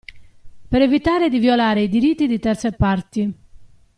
Per evitare di violare i diritti di terze parti.